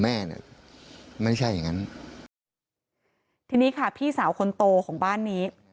แม่เนี้ยไม่ใช่อย่างงั้นทีนี้ค่ะพี่สาวคนโตของบ้านนี้